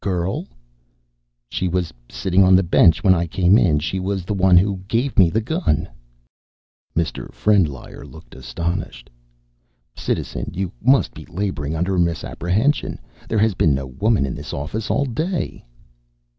"Girl?" "She was sitting on the bench when I came in. She was the one who gave me the gun." Mr. Frendlyer looked astonished. "Citizen, you must be laboring under a misapprehension. There has been no woman in this office all day."